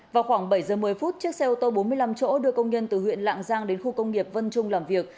vào khoảng bảy giờ một mươi phút chiếc xe ô tô bốn mươi năm chỗ đưa công nhân từ huyện lạng giang đến khu công nghiệp vân trung làm việc